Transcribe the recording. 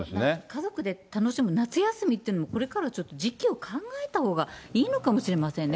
家族で楽しむ夏休みというのも、これからちょっと時期を考えたほうがいいのかもしれませんね。